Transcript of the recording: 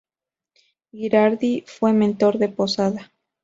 Girardi fue mentor de Posada.